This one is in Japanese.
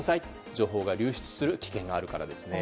情報が流出する危険があるからですね。